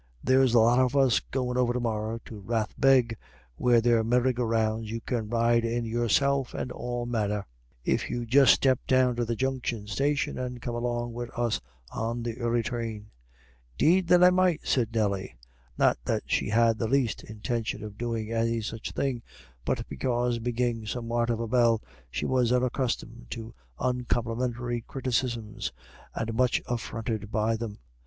There's a lot of us goin' over to morra to Rathbeg, where they've merry go rounds you can ride in yourself, and all manner, if you'd just step down to the Junction station and come along wid us on the early train." "'Deed then I might," said Nelly; not that she had the least intention of doing any such thing, but because, being somewhat of a belle, she was unaccustomed to uncomplimentary criticisms and much affronted by them.